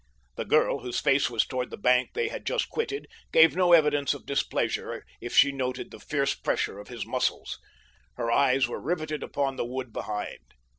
The girl, whose face was toward the bank they had just quitted, gave no evidence of displeasure if she noted the fierce pressure of his muscles. Her eyes were riveted upon the wood behind.